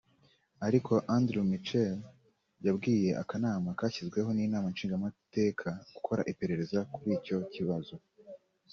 Ariko Andrew Mitchell yabwiye akanama kashyizweho n’inama nshingamateka gukora iperereza kuri icyo kibazo